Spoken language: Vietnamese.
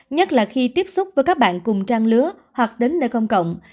nhất là khi tiếp xúc với các bạn cùng trang lứa hoặc đến nơi công cộng